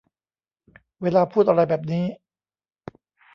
เวลาพูดอะไรแบบนี้